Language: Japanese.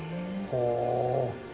ほう。